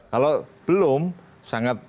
kalau belum sangat